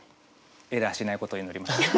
エラーしないことを祈ります。